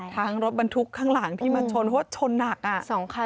ทั้งรถบรรทุกข้างหลังที่มาชนเพราะว่าชนหนัก๒คัน